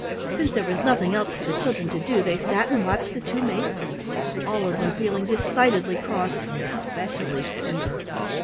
Since there was nothing else for the children to do, they sat and watched the two mates eat, all of them feeling decidedly cross, especially Peter.